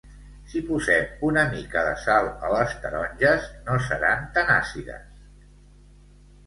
Si posem una mica de sal a les taronges no seran tan àcides